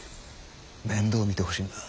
面倒見てほしいんだ。